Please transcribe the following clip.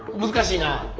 難しいな。